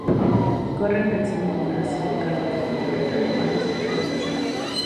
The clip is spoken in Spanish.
Koller recibe numerosos encargos de pinturas de animales en su nuevo estudio.